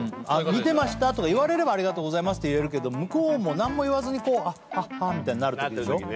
見てましたとか言われればありがとうございますって言えるけど向こうも何も言わずにこうあっあっあっみたいになる時でしょ？